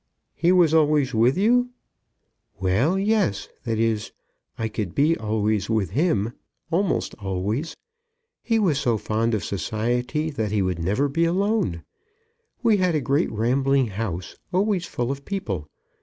"He was always with you." "Well; yes; that is, I could be always with him, almost always. He was so fond of society that he would never be alone. We had a great rambling house, always full of people.